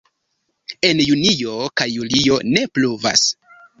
En junio kaj julio ne pluvas.